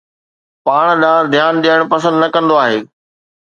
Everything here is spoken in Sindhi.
پاڻ ڏانهن ڌيان ڏيڻ پسند نه ڪندو آهي